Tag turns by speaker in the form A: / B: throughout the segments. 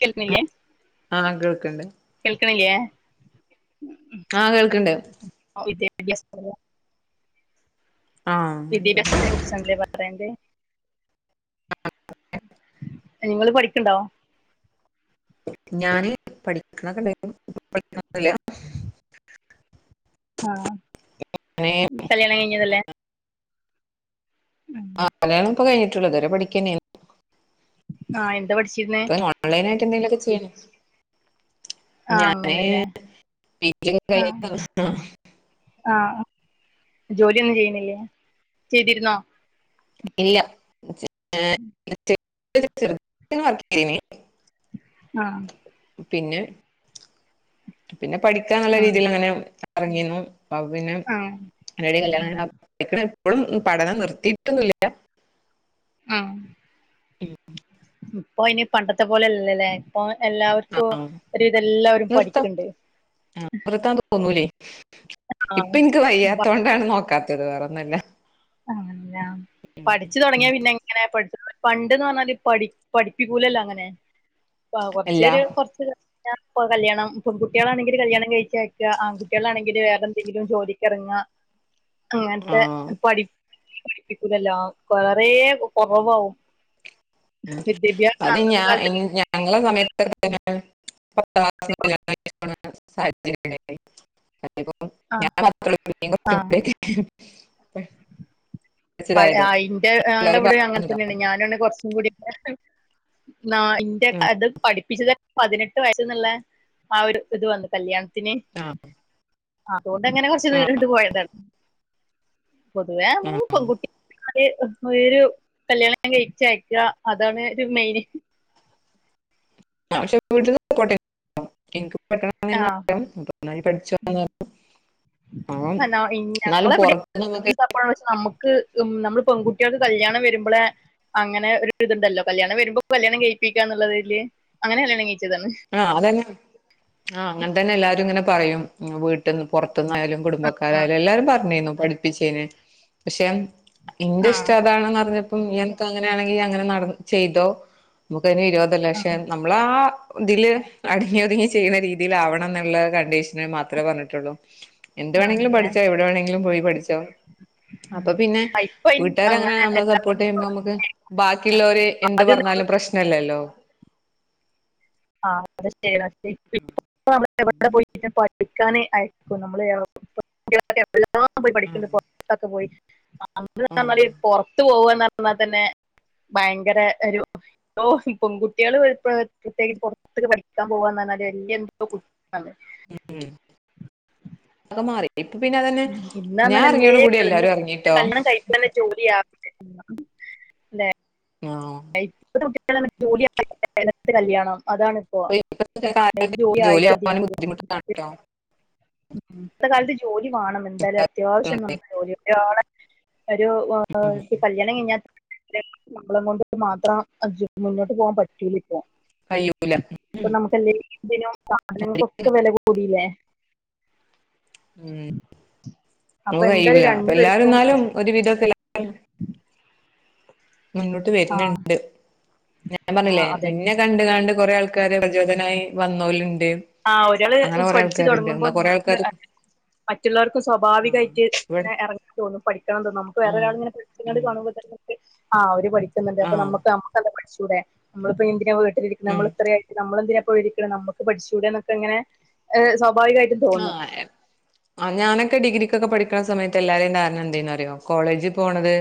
A: കേൾക്കണില്ലേ
B: ആഹ് കേൾക്ക്ണ്ട്
A: കേൾക്കണില്ലേ
B: ആഹ് കേൾക്കണ്ട്
A: [inaudible]
B: ആഹ് ആയിക്കോട്ടെ
A: വിദ്യാഭസതിനെ കുറിച്ചാണല്ലെ പറയേണ്ടേ നിങ്ങൾ പഠിക്കണ്ടോ
B: ഞാന് പഠിക്കണ സമയത്തും [unintelligible]
A: ആഹ് കല്യാണം കഴിഞ്ഞതല്ലേ ഉം.
B: ആ കല്യാണം ഇപ്പം കഴിഞ്ഞിട്ടുള്ളു ഇത് വരെ പഠിക്കന്നെയാണ്
A: ആഹ് എന്താ പഠിച്ചിരുന്നേ?
B: ന്തെങ്കിലൊക്കെ ചെയ്യണം
A: ആ
B: ഞാന്
A: അങ്ങനല്ലേ
B: [unintelligible] ഒക്കെ
A: ആ
B: കഴഞ്ഞ [unintelligible]
A: ആ ജോലിയൊന്നും ചെയ്യുന്നില്ലേ ചെയ്തിരുന്നോ?
B: ഇല്ല ആഹ [unintelligible] വർക്ക്‌ ചെയ്യുന്നില്ലേ
A: ആഹ്
B: പിന്നെ പിന്നെ പഠിക്കാന്നുള്ള
A: ഉം.
B: രീതിയിൽ അങ്ങനെ എറങ്ങിണു അപ്പ പിന്നെ
A: ആ
B: എല്ലാരേം കല്യാണം കഴിഞ്ഞാ [unintelligible] ഇപ്പോളും പഠനം നിർത്തിയിട്ടൊന്നും ഇല്ല
A: ആഹ്
B: ഉം
A: ഇപ്പൊ ഇനി പണ്ടത്തെ പോലെയല്ലല്ലോ
B: ആ
A: എല്ലാവരും
B: നിർത്തം
A: പഠിക്കണ്ട്
B: ആ നിർത്താ തോന്നൂലേ
A: ആ
B: ഇപ്പൊ എനിക്ക് വയ്യാത്ത
A: പ-
B: കൊണ്ടാണ് നോക്കാത് ത്തത് വേറെ ഒന്നുമല്ല
A: [unintelligible] പഠിച്ചു തുടങ്ങിയ പിന്നെ ഇങ്ങന പഠി പണ്ട്ന്ന് പറഞ്ഞാല് പഠി പഠിപ്പിക്കൂലല്ലോ അങ്ങനെ ആ കൊറച്ച്
B: അല്ല
A: ഒര് കൊറച്ചില് ഞാൻ ഇപ്പോ കല്ല്യാണം പെൺ കുട്ടികളാണെങ്കിൽ കല്ല്യാണം കഴിച്ചയക്കാ ആൺകുട്ടികളാണെങ്കിൽ വേറെ എന്തെങ്കിലും ജോലിക്കെറങ്ങാ ആ എന്റെ
B: ആഹ്
A: പഠിപ് [unintelligible] പഠിപ്പിക്കൂല്ലലോ കൊറേ
B: ഉം
A: വിദ്യാഭ്യാസം
B: അത്
A: അന്നത്തെ
B: ഞാ
A: കാലത്ത്
B: എൻ ഞങ്ങളെ സമയത്തൊക്കെ [unintelligible]
A: ആഹ്
B: [unintelligible] [unintelligible]
A: പഴ അയിന്റെ ആ അത് ഇവിടേം അങ്ങനെ തന്നെയാണ് ഞാനുവാണ് കുറച്ചും കൂടി നാ ഇന്റെ അത് പഠിപ്പിച്ചത് പതിനെട്ട് വയസ്സ്ന്ന്ള്ള ആ ഒരു ഇത് വന്നു കല്യാണത്
B: ആഹ്
A: അതോണ്ട് എങ്ങനെ കുറച്ച് നീണ്ട് നീണ്ട് പോയതാണ്, പൊതുവേ മ്മള് പെൺകുട് ഒരു കല്യാണം ഞാൻ കഴിച്ച് അയക്കുക അതാണ് ഒരു മെയിൻ
B: [inaudible]
A: ആഹ്
B: [inaudible] എന്നാലും
A: ഞങ്ങള എവിടെ
B: പുറത്ത് നമുക്ക്
A: [unintelligible] നമ്മുക്ക് ഉം നമ്മ നമ്മൾ പെൺകുട്ടികൾക്ക് കല്യാണം വരുമ്പളെ അങ്ങനെ ഒരു ഇതുണ്ടല്ലോ കല്യാണം വരുമ്പോ കല്യാണം കഴയിപ്പിക്ക എന്നുള്ളൊരിതില് അങ്ങനെ കല്യാണം ക
B: ആഹ അതന്നെ ആഹ അങ്ങനെ തന്നെ എല്ലാ ഇങ്ങന പറയും വീട്ട്ന്ന് പുറ ത്ത്ന്നായാലും
A: ആഹ്
B: കുടുംബക്കാരായാലും എല്ലാരും പറഞ്ഞീനു പഠിപ്പിച്ചേന് പക്ഷെ ഇന്റെ
A: ആഹ്
B: ഇഷ്ടം അതാണെന്നറിഞ്ഞ ഇങ്ങനത്തെ അങ്ങനാണെങ്കിൽ അങ്ങന നട ചെയ്തോ ന് ഇരുപത്
A: ആഹ്
B: ലഷം നമ്മളാ ഇതില് അടങ്ങി ഒതുങ്ങി ചെയ്യുന്ന രീതലാവണം എന്നുള്ള കണ്ടീഷന് മാത്രമേ പറഞ്ഞിട്ടുള്ളൂ എന്ത് വേണെങ്കിലും
A: ആണല്ലേ
B: പഠിച്ചോ എവിടെ വേണമെങ്കിലും പോയി പഠിച് അപ്പൊ
A: ഉം
B: പിന്നെ
A: ഇപ്പൊ
B: വീട്ടുകാരങ്ങനെ
A: അങ്ങനെ
B: നമ്മളെ സപ്പോർട്ട് ചെയ്യുമ്പോ നമുക്ക് ബാക്കിയുള്ളവര് എന്ത്
A: ആദ്യം
B: പറഞ്ഞാലും പ്രശ്നില്ലല്ലോ
A: ആ [unintelligible] [unintelligible] വിക്കാനെ ആയിരിക്കും നമ്മള് [unintelligible] [inaudible] പോയി പഠിക്കണ്ട്
B: ആഹ്
A: പോറത്തൊക്കെ പോയി
B: ആഹ്
A: [unintelligible] പൊറത്ത് പോ ന്നാ തന്നെ ഭയങ്കര ഒരു ഓ ഈ പെങ്കുട്ടികള് [unintelligible] പുറത്ത പഠിക്കാൻ പോവുവാന്ന് പറഞ്ഞാല് വലിയ എന്തോ കുറ്റാണ്
B: ഉം കെ മാറി ഇപ്പൊ പിന്നെ അതന്നെ
A: ഉം ഇന്ന്
B: ഞാൻ ഇറങ്ങിയോട് കൂടി
A: പറഞ്ഞാ
B: എല്ലാരും ഇറങ്ങിട്ടോ
A: [unintelligible] കഴിക്കണം ഒരു ജോലിയ [unintelligible] അതെ [unintelligible] [unintelligible] കല്യാണം അതാണ് ഇപ്പോ ഒരു
B: [unintelligible]
A: ജോലി ആയിട്ട് മതി.
B: ജോലിയാവാനും
A: ഉം.
B: ബുദ്ധിമുട്ടാണ കേട്ടോ
A: ഇന്നത്തെ കാലത്ത് ജോലി മാണം എന്തായാലും അത്യാവശ്യം നമ്മ ജോലി ഒരാളെ ഒരു കല്യാണം കഴിഞ്ഞാ നമ്മളെക്കൊണ്ട് മാത്രം മുന്നോട്ട് പോകാൻ പറ്റൂ
B: കഴിയൂല ഉം
A: ഇപ്പൊ നമുക്കെന്തെങ്കി ദിനോ സാധനങ്ങൾക്കൊക്കെ വില കൂടില്ലേ
B: ഉം
A: അപ്പൊ
B: നമക്ക്
A: എന്തായാലും
B: കഴിയൂല അപ്പ എല്ലാരും
A: രണ്ടുപേർക്കും
B: എന്നാലും ഒരുവിധോക്കെ എല്ലാ മുന്നോട്ട്
A: ആ
B: വരണിണ്ട് ഞാൻ
A: ആ
B: പറഞ്ഞില്ലേ
A: അതന്നെ
B: ഇന്നെ കണ്ട് കാണ്ട് കൊറെേ ആൾ ആൾക്കാര് പ്രചോദനായി വന്നോലു
A: ആ ഒരാള് പഠിച്ചു തുടങ്ങുമ്പോ
B: എന്നാ കൊറേ
A: നമുക്ക്
B: ആൾക്കാര്
A: മറ്റുള്ളവർക്കും
B: ആ
A: സ്വാഭാവികായിട്ട്
B: ഇവിടെ
A: ഇങ്ങനെ എറങ്ങാ തോന്നും പഠിക്കണം തോന്നും നമുക്ക്
B: ആ
A: വേറൊരാളിങ്ങനെ പഠിച്ചിങ്ങാണ്ട്
B: ഉം
A: കാണുമ്പോ തന്നെ ആ അവര് പഠി ക്കുന്നുണ്ട്
B: ആ
A: അപ്പൊ നമുക്ക് നമുക്കെന്താ പഠിച്ചാ ച്ചൂടെ നമ്മള് ഇപ്പ എന്തിനാ വീട്ട് [unintelligible] നമ്മൾ
B: ഉം
A: ഇത്രയും ആയിട്ട് നമ്മൾ എന്തിനാ പോയിരിക്കിണ് നമുക്ക് പഠിച്ചു ച്ചൂടെന്നൊക്കെ ഇങ്ങനെ ഏഹ് സ്വാഭാ
B: ആ ആ ഞാനൊക്കെ ഡിഗ്രിക്കൊക്കെ പഠിക്ക ണ സമയത്ത് എല്ലാരേം ധാരണ എന്തേന്നറിയോ കോളേജി പോണത്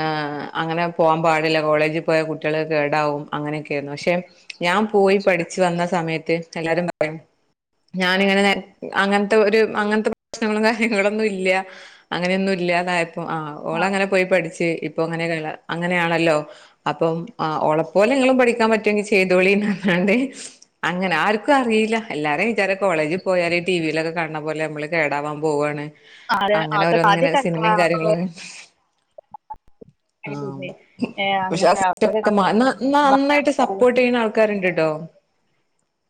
B: എഹ് അങ്ങനെ പോവാൻ പാടില്ല കോളേജി പോയാ കുട്ടികള് കേടാവും അങ്ങനെയൊക്കെ ആയിരുന്നു പക്ഷെ ഞാൻ പോയി പഠിച്ചു വന്ന സമയ ത്ത് എല്ലാരും പറയും ഞാനിങ്ങനെ അങ്ങൻത്തെ ഒരു അങ്ങൻത്തെ പ്രശ്നങ്ങളും കാര്യങ്ങളൊന്നും ഇല്ല്യ അങ്ങനെയൊന്നും ഇല്ല്യ [unintelligible] ആഹ് ഓള് അങ്ങനെ പോയി പഠിച്ച് ഇപ് ഇപ്പൊ അങ്ങനെ അങ്ങനെയാണല്ലോ അപ്പം എഹ് ഓളെപ്പോലെ ഇങ്ങളും പഠിക്കാൻ പറ്റുമെങ്കി ചെയ്തോളിന്ന് പറഞ്ഞാണ്ട് അങ്ങനെ ആർക്കും അറിയില്ല എല്ലാരേം വിചാരം കോളേജ് കേടാവാൻ പോവാണ്
A: അത്
B: അങ്ങനെ
A: അതൊക്കെ
B: ഓരോന്നിങ്ങനെ
A: ആദ്യമൊക്കെ
B: സിനിമയും കാര്യങ്ങളും ആ
A: അങ്ങനെയായിരുന്നേ. ഏ,
B: പക്ഷേ ആ
A: അങ്ങനത്തെ
B: [unintelligible]
A: ആൾക്കാര്
B: ഒക്കെ മാ എന്നാ എന്നാ
A: നമ്മളെ-
B: നന്നായിട്ട് സപ്പോർട്ട് ചെയ്യുന്ന ആൾക്കാരുണ്ട് ട്ടോ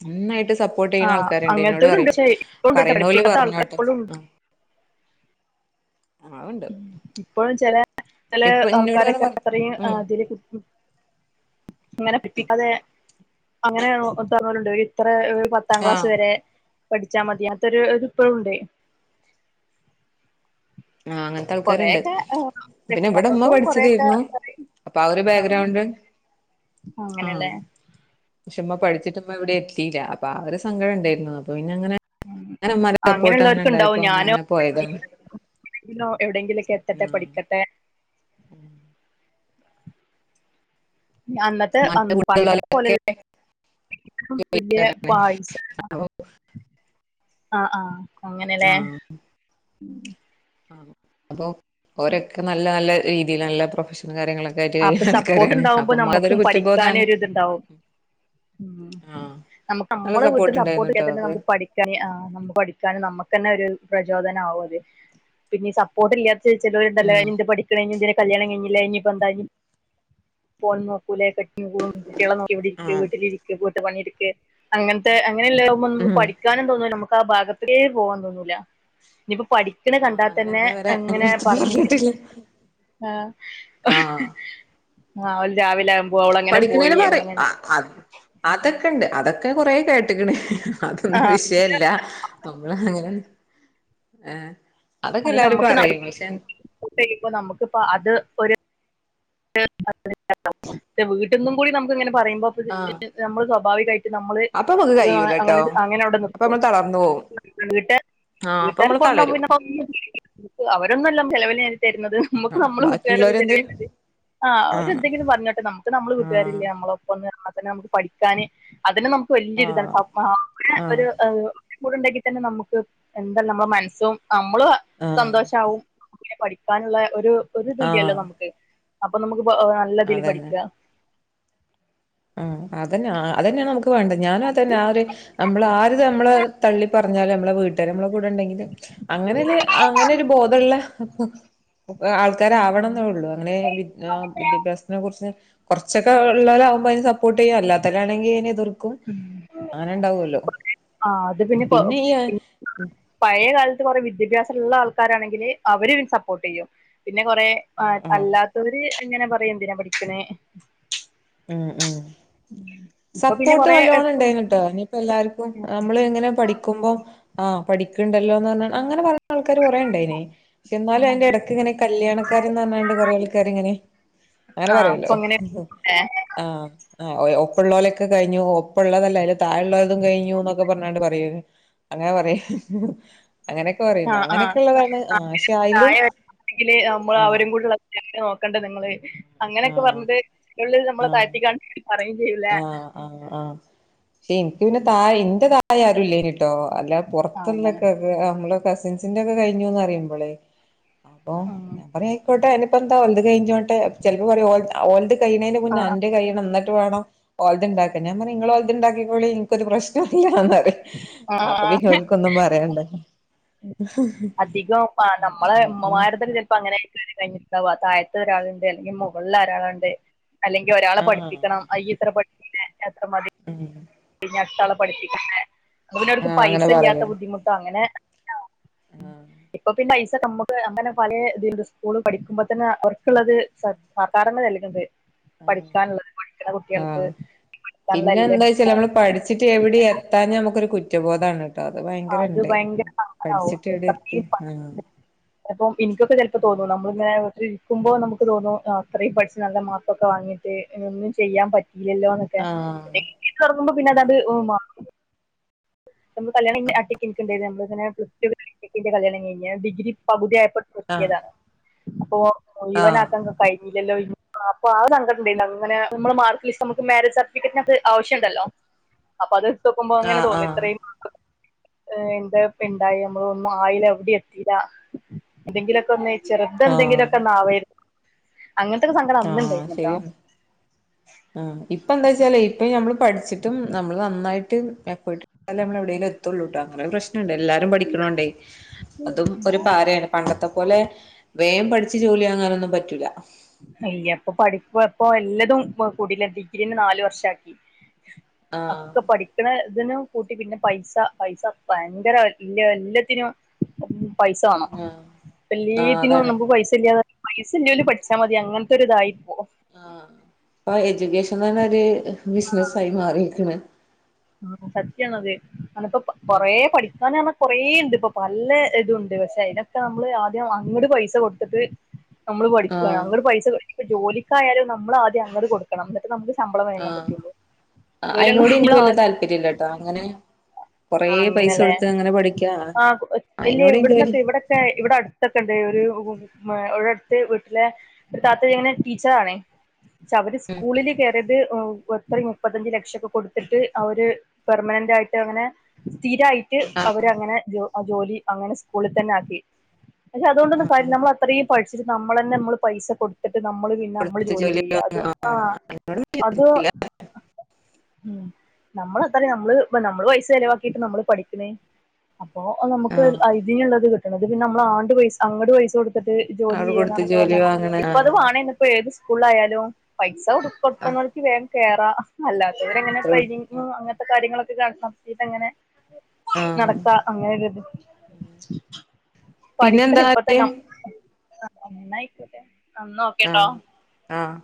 B: നന്നായിട്ട് സ സപ്പോർട്ട് ചെയ്യണ ആൾക്കാരിണ്ട് ഇന്നോട് പറയും
A: പക്ഷേ ഇപ്പളുണ്ട് ട്ടോ
B: പറയണോല്
A: പഠിപ്പിക്കാത്ത ആൾക്കാര്
B: പറഞ്ഞോട്ടെ
A: ഇപ്പളും ഉണ്ട്
B: ആഹ് അതുണ്ട്
A: ഉം ഇപ്പോഴും ചില നല്ല
B: ഇപ്പൊ ഇന്നോട് ഇങ്ങനെ
A: ആൾക്കാരൊക്കെ
B: പറ
A: അത്രയും
B: ഉം
A: ഏഹ് ഇതില് ഇങ്ങനെ അതെ അങ്ങനെ പറഞ്ഞോലുണ്ട് ഒരിത്ര പത്താം ക്ലാസ്
B: ആഹ്
A: വരെ പഠിച്ചാ മതി അങ്ങനത്തൊരു ഇത് ഇപ്പഴുണ്ട്
B: ആ അങ്ങൻത്തെ ആൾക്കാരിണ്ട് പിന്നെ ഇവടെ ഉമ്മ
A: രക്ഷിതാക്കൾക്കും കൊറെയൊക്കെ
B: പഠിച്ചതേരുന്നു
A: പറയും
B: അപ്പൊ ആ ഒരു
A: ആഹ്
B: ബേഗ്രൗണ്ട് ആഹ്
A: അങ്ങനെല്ലേ
B: പക്ഷെ ഉമ്മ പഠിച്ചിട്ടിമ്മ എവിടെയും എത് ത്തില അപ്പൊ അവരെ സങ്കടം ഇണ്ടായിരുന്നു അപ്പൊ പിന്നെ അങ്ങനെ [unintelligible] മാരെടെ [unintelligible] പോയിട്ട്
A: അങ്ങനെയുള്ളവർക്ക്
B: അങ്ങനെണ്ടായപ്പോ
A: ഉണ്ടാവും
B: അങ്ങനെ
A: ഞാനോ
B: അങ്ങനെ പോയതാണ്
A: ജീവിതത്തിലോ എവിടെയെങ്കിലൊക്കെ എത്തട്ടെ പഠിക്കട്ടെ
B: ഉം
A: അന്നത്തെ
B: ഉമ്മാന്റെ
A: പണ്ടത്തെ
B: കൂടെയുള്ളോലൊക്കെ
A: പോലെള്ള വല്യ
B: അങ്ങനെ
A: പായസ ആഹ് ആഹ് അങ്ങനെല്ലേ
B: ആഹ് അപ്പോ ഓരൊക്കെ നല്ല നല്ല രീതിയിൽ നല്ല പ്രൊഫഷണൽ കാര്യങ്ങളൊ
A: അപ്പൊ സപ്പോർട്ട് ഉണ്ടാവുമ്പോ നമ്മുക്കും പഠി
B: കുറ്റബോധാണ്
A: ക്കാനൊര് ഇത്ണ്ടാവും ഉം
B: ആഹ്
A: നമുക്ക്
B: നല്ല
A: നമ്മളെ വീട്ടിൽ സപ്പോർട്ട് ചെയ്യാ
B: ഉണ്ടായിരുന്നുട്ടോ
A: തന്നെ
B: അത്
A: നമുക്ക് പഠിക്കാന് ആ നമുക്ക് പഠിക്കാനും നമുക്കന്നെ ഒര്‌ പ്രചോദനാവുഅത് പിന്നെ സപ്പോർട്ടില്ലാത്ത ചെലോല്ണ്ടല്ലോ
B: ഉം
A: ഇനി ന്ത് പഠിക്ക്ണേ ഇനിയെന്ത്നാ കല്യാണം കഴിഞ്ഞില്ലേ ഇനിപ്പ എന്താ യ് പ്പോൻ നോക്കൂ ലേ കുട്ടിയേളെ നോക്കി ഇവിടിരിക്കെ
B: ആഹ്
A: വീട്ടിലിരിക്കെ പണിട്ക്കെ അങ്ങൻത്തെ അങ്ങെനെല്ലാവുമ്പം നമുക്ക്
B: ഉം
A: പഠിക്കാനും തോന്നൂല മക്ക് ക്കാ ഭാഗത്ത് ക്കേ പോവാൻ തോന്നൂല്ല ഇനിപ്പോ പഠിക്ക്ണ
B: ആഹ് അങ്ങനെ
A: കണ്ടാൽത്തന്നെ
B: ഇന്നേ വരെ
A: അങ്ങനെ
B: എന്റെടുത്ത്
A: പറഞ്ഞി
B: പറഞ്ഞിട്ടില്ല
A: ആ ആഹ് ഓല് രാവില
B: പഠിക്ക്ണേന് പറിം ആ അത് ആതൊ ക്കെ ഉണ്ട് അതൊക്കെ ഞാൻ കുറേ കേട്ട് ക്ക് ണ്
A: ആ
B: അതൊന്നും വിഷയേല്ല നമ്മള് അങ്ങനെ ഏഹ് അതൊക്കെ
A: അത്
B: എല്ലാരും
A: നമ്മുക്ക്
B: പറയും പക്ഷെ
A: [unintelligible] ചെയ്യുമ്പോ നമുക്കിപ്പ അത് ഒരു [unintelligible] വീട്ട്‌ന്നും കൂടി നമുക്ക് ഇങ്ങനെ പറയുമ്പോ ഇപ്പത്
B: ആഹ്
A: നമ്മള് സ്വാഭാവികായിട്ട് നമ്മള്
B: അപ്പൊ നമുക്ക്
A: അത്
B: കഴിയൂലട്ടോ
A: അങ്ങനെ അങ്ങനെ അവിടെ
B: അപ്പൊ
A: നിർത്തും
B: നമ്മള് തളർന്നു പോവും ആഹ് അപ്പൊ
A: വീട്ടുകാർ
B: നമ്മള്
A: പർഞ്ഞാ
B: തളരും
A: പിന്നെ [unintelligible] അവരൊന്നുംല്ല ചെലവ് ന് തരുന്നത് നമ്മുക്ക്
B: ആഹ്
A: നമ്മള് വീട്ട്കാരല്ലേ ചെലവിന്
B: ബാക്കിയുള്ളവരെന്തേലും
A: തരുന്നത് ആ
B: ആഹ്
A: ഓരെന്തെങ്കിലും പറഞ്ഞോട്ടെ നമുക്ക് നമ്മള
B: ആഹ്
A: വീട്ടകാരില്ലേ നമ്മളൊ പ്പം ന്നർഞ്ഞാ തന്നെ നമുക്ക് പഠിക്കാന് അതിന് നമുക്ക് വലിയ ഒരിതാണ്
B: ആഹ് ആഹ്
A: [unintelligible] ഒര് കൂടെണ്ടെങ്കി തന്നെ നമുക്ക് എന്താ നമ്മളെ മനസ്സും നമ്മള്
B: ആഹ്
A: സന്തോഷാവും പഠിക്കാനുള്ള ഒരു ഒരുതു ല്യല്ലോ
B: ആഹ്
A: നമുക്ക് അപ്പം നമ്മ്ക്ക് പ്പൊ നല്ലതില്
B: അതന്നെ
A: പഠിക്കാ
B: ആ അതെന്നെ അതെന്നെ നമുക്ക് വേണ്ടത് ഞാനും അതെന്നെ ആ ഒര് നമ്മള് ആര്ത് നമ്മള് തള്ളി പറഞ്ഞാലും നമ്മളെ വീട്ടാര് നമ്മളെ കൂടെണ്ടെങ്കില് അങ്ങനെല് അങ്ങനെ ഒരു ബോധള്ളെ ആൾക്കാരാവണന്നെ ഉള്ളൂ അങ്ങനെ വി ഏഹ് വിദ്യാഭ്യാസത്തിനെ കുറിച്ച് കൊർച്ചൊക്കെ ഒള്ളവരാവുമ്പേ വോട്ടെയ്യും അല്ലാത്തലാണെങ്കി അതിന് എതിർക്കും, അങ്ങനെണ്ടാവുല്ലോ,
A: ആ അത് കൊ-
B: പിന്നെ ഈ ഏഹ്
A: പിന്നെ പഴയ കാലത്ത് കുറെ വിദ്യാഭ്യാസിള്ള ആൾക്കാരാണെങ്കില് അവര് സപ്പോർട്ട് ചെയ്യും പിന്നെ കൊറെ അ
B: ആഹ് ആഹ്
A: അല്ലാത്തവര് ഇങ്ങനെ പറിയും എന്തിനാ പഠിക്കണേ
B: ഉം ഉം
A: ഇപ്പൊ പിന്നെ
B: സപ്പോർട്ട്
A: കൊറേ
B: നല്ലോണം
A: എപ്പ
B: ഇണ്ടായിനിട്ടോ, ഇനിപ്പോ എല്ലാർക്കും നമ്മള് ഇങ്ങനെ പഠിക്കുമ്പം ആ പഠിക്കിണ്ടല്ലോന്ന് പറഞ്ഞ് അങ്ങനെ പറ ആൾക്കാര് കൊറെ ഇണ്ടായിനി എന്നാലും അയ്ന്റെ എടക്ക് ഇങ്ങനെ കല്യാണകാര്യന്ന് പറഞ്ഞാണ്ട് കൊറെ ആൾക്കാര് ഇങ്ങനെ അങ്ങനെ
A: ആഹ് അപ്പൊ
B: പറയല്ലോ
A: അങ്ങനെ
B: ആ ആഹ് ഒപ്പള്ളോലൊക്കെ കഴിഞ്ഞു ഒപ്പള്ളതല്ല, അതില് താഴെല്ലോൽതും കഴിഞ്ഞുന്നൊക്കെ പറഞ്ഞാണ്ട് പറയേനി അങ്ങനെ പറയു.
A: ആ ആ [unintelligible]
B: അയിലും
A: നമ്മൾ
B: ആഹ്
A: അവരും കൂടെള്ള [unintelligible] കണ്ട നിങ്ങള് അങ്ങനൊക്കെ പറഞ്ഞത് ഉള്ളിൽ നമ്മള് താഴ്ത്തിക്കാ
B: ആ ആ ആ ഷേ എനിക്ക് പിന്നെ തായെ ന്റെ തായെ [unintelligible] ട്ടോ അല്ല
A: ആഹ് അങ്ങനെ
B: പുറത്ത്ന്നൊക്കെ [unintelligible] നമ്മള് കസിൻസിന്റെ ഒക്കെ കഴിഞ്ഞൂന്ന് അറിയുമ്പളെ അപ്പോ
A: ഉം
B: ഞാൻ പറയാ ആയിക്കോട്ടെ അയ്നിപ് [unintelligible] കഴിഞ്ഞോട്ടെ ചെലപ്പം പറയും ഓൽ ഓൽത് കഴിണേന്റെ മുന്നെ
A: ആഹ്
B: അന്റെ കയണം ന്നട് വേണം ഓലത്ണ്ടാക്കന്നെ ഞാൻ പറയും നിങ്ങളത് ഇണ്ടാക്കിക്കോളി നിക്കൊരു പ്രശ്നോം ഇല്ല [unintelligible] അപ്പോ
A: ആഹ്
B: പിന്നെ ഓൽക്കൊന്നും പറയണ്ട
A: അധികം ആ നമ്മളെ
B: അപ്പൊ
A: ഉമ്മമാരു തന്നെ ഇപ്പോ അങ്ങനെ [unintelligible] താഴത്തു ഒരാളുണ്ട് അല്ലെങ്കിൽ മുകളില് ഒരാളുണ്ട് അല്ലെങ്കിൽ ഒരാളെ
B: ആഹ്
A: പഠിപ്പിക്കണം [unintelligible] ഇത്ര [unintelligible] [unintelligible]
B: ഉം
A: ഇനി അടുത്താളെ പഠിപ്പിക്കണ്ടേ [unintelligible]
B: ആഹ്
A: പൈസ
B: അങ്ങനെ
A: ഇല്ലാത്ത
B: പറയും
A: ബുദ്ധിമുട്ടും അങ്ങനെ
B: ആഹ്
A: ഇപ്പൊ പിന്നെ നമ്മുക്ക് അങ്ങനെ പല [unintelligible] സ്കൂള് പഠിക്കുമ്പോ തന്നെ അവർക്കുള്ളത് സർക്കാർ തന്നെ നൽകുന്നുണ്ട്
B: ആഹ്
A: പഠിക്കാനുള്ളത് പഠിക്കുന്ന കുട്ടികൾക്ക്
B: ആഹ്
A: പഠിക്കാനുള്ള
B: പിന്നെ
A: എല്ല
B: എന്താ വെച്ചാല് നമ്മള് പഠിച്ചിട്ട് എവിടെ എത്താ നമുക്കൊരു കുറ്റം കുറ്റബോധാണ് അത് ഭയങ്കര
A: അത്
B: ഇണ്ട്
A: ഭയങ്കര സാങ്കടവും
B: പഠിച്ചിട്ട് എവിടെ എത്തി ആഹ്
A: [unintelligible] ഇൻക്കൊക്കെ ചിലപ്പോ തോന്നുന്നു നമ്മളിങ്ങനെ ഇരിക്കുമ്പോ നമുക്ക് തോന്നും അത്രയും പഠിച്ച് നല്ല മാർക്കൊക്കെ വാങ്ങിട്ട്ഒന്നും ചെയ്യാൻ പറ്റില്ല ഇല്ലല്ലോന്നൊക്കെ
B: ആഹ്
A: തുറക്കുമ്പോ പിന്നെ അതത്റ നമ്മൾ കല്യാണം [unintelligible] [unintelligible] പ്ലസ് ടുന്റെ കല്യാണം കഴിഞ്ഞു ഡിഗ്രിപകുതി
B: ആഹ്
A: ഓ ഓ ഇവൻ
B: ആഹ്
A: ആ [unintelligible] ഇല്ലല്ലോ [unintelligible] അപ്പൊ ആ സങ്കടം ഉണ്ടായിരുന്നു അങ്ങനെ നമ്മള് മാർക്ക് ലിസ്റ്റ് നമുക്ക് മാരേജ് സർട്ടിഫിക്കറ്റിനകത്ത് ആവശ്യംണ്ടല്ലോ അപ്പൊ അത് [unintelligible] അങ്ങനെ
B: ആഹ് ആഹ്
A: തോന്നി
B: ആഹ്
A: ഇത്രയും എന്താപെണ്ടായി നമ്മള ഒന്നും ആയില എവിടേം എത്തില്ല എന്തെങ്കിലൊക്കെ ഒന്ന് ചെറുതെന്തങ്കിലൊക്കെ
B: ആഹ്
A: ന്നാ വയിരുന്നു അങ്ങനത്തെക്കെ സങ്കടം അന്ന് ഇണ്ടായിന്നു കേട്ടോ
B: ഉം ഇപ്പ എന്താ വെച്ചാലേ ഇപ്പ നഞമ്മള് പഠിച്ചിട്ടും നമ്മള് നന്നായിട്ട് എഫെർട്ട് എടുത്താലേ നമ്മള് എവിയേലും എത്തുള്ളൂ കേട്ടോ അങ്ങനെ പ്രശ്നം എല്ലാരും പഠിക്കണണ്ടേ അതും ഒരു പാരയാണ് പണ്ടത്തെ അത് പോലെ വേഗം പഠിച്ച് ജോലി ആകാനൊന്നും പറ്റൂല
A: [unintelligible] അപ്പൊ പഠിപ്പ ഇപ്പ എല്ലതും കൂടൂല ഡിഗ്രീന്നെ നാലു വർഷം ആക്കി
B: ആഹ്
A: [unintelligible] പഠിക്കണ ഇതിനു കൂട്ടി പിന്നെ പൈസ പൈസ ഭയങ്കരല്ല എല്ലാത്തിനും പൈസ
B: ആഹ് ആഹ്
A: വണോല്ലീത്തിനും
B: അതാണ്
A: നമുക്ക് പൈസ ഇല്ലാതെ പൈസല്ലോല് പടി പച്ചാ മതി അങ്ങനത്തെൊ ഒരു ഇതായിപ്പോ
B: ആഹ അപ്പൊ എജ്യൂക്കേഷൻന്ന്ന്നെ ഒരു ബിസിനസ്സായി മാറിയിരിക്കണ്
A: ആ സത്യാണ്ത് ഞാനിപ്പ കൊറ പഠിക്കൻ കൊറേണ്ട് ഇപ്പൊ പല്ല ഇതുണ്ട് പക്ഷെ അതിനൊക്കെ നമ്മള് ആദ്യം അങ്ങോട്ട പൈസ കൊടുത്തിട്ട് നമ്മള് പഠിക്കുകയ
B: ആഹ്
A: അവര് പൈസ ക ജോലിക്കായാലും നമ്മള് ആദ്യം അങ്ങട് കൊടുക്കണം. നമുക്ക് ശമ്പളം വാങ്ങാൻ
B: ആഹ്
A: പറ്റുള്ളൂ ജോലിയൊന്നും മ്മള്
B: ൽപ്പര്യല്ലാട്ടാ അങ്ങനെ കൊറേ പൈസ
A: അങ്ങനെയല്ലേ
B: കൊടുത്ത് അങ്ങനെ പഠി
A: ആ ഇല്ല ഇവിടന്നൊക്കെ ഇവിടൊക്കെ ഇവിടെ അടുത്തൊക്കെ ഉണ്ട് ഒരു മ ഇവിടടുത്ത് വീട്ടിലെ ഒരു താത്ത ഇങ്ങനെ ടീച്ചറാണേ പക്ഷേ അവര് സ്കൂളില് കേറിയത് എത്ര മുപ്പത്തഞ്ച് ലക്ഷം ഒക്കെ കൊടുത്തിട്ട് അവര് പെർമനന്റ് ആയിട്ട് അങ്ങനെ സ്ഥിരമായി ട്ട് അവരങ്ങനെ ആ ജോലി അങ്ങനെ സ്കൂളിൽ തന്നെ ആക്കി. പക്ഷേ അതോണ്ടൊന്നും കാര്യല്ലാ നമ്മൾ അത്രയും പഠിച്ചിട്ട് നമ്മൾ തന്നെ നമ്മള് പൈസ [unintelligible] നമ്മള് പിന്നെ
B: ഉം
A: നമ്മള്
B: ആഹ്
A: ജോലി
B: കൊടുത്ത്
A: ചെയ്യ
B: വാങ്ങില്ല
A: അത് ആഹ് അത് ഉം നമ്ലതലാ നമ്മള് നമ്മള് പൈസ ചിലവാക്കിട്ട് നമ്മള് പഠിക്കുന്ന അപ്പോ നമുക്ക്
B: ആഹ്
A: ഐതിലുള്ളത് നമ്മള ആണ്ട് [unintelligible] ജോലി
B: അവടെ കൊടുത്ത് ജോലി വാങ്ങണ ആഹ്
A: [unintelligible] സ്‌കൂളായാലും പൈസ ഉടുപ്പെടുക്കുന്നവർക്ക് വേഗം കേറാ [unintelligible] അവങ്ങനെ
B: അത്രേ ഉള്ളൂ
A: ടെയിനിങ് അങ്ങത്തെ കാര്യങ്ങളൊക്കെ [unintelligible] നടക് ആഹ് അങ്ങനെ പഠിക്കണ
B: പിന്നെന്താ
A: ഇപ്പത്തന്നാ ആഹ് അന്നായിക്കോട്ടെ
B: ആഹ് ആഹ്